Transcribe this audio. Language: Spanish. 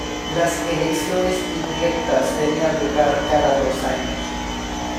Las elecciones indirectas tenían lugar cada dos años.